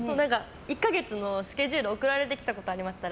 １か月のスケジュール送られてきたことありました。